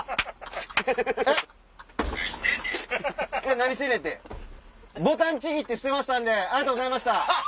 「何してんねん！」ってボタンちぎって捨てましたんでありがとうございました。